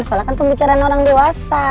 soalnya kan pembicaraan orang dewasa